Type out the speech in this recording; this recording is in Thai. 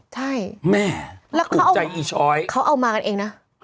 ใช่แม่แล้วคือใจอีช้อยเขาเอามากันเองนะ